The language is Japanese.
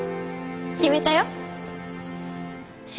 決めたよ。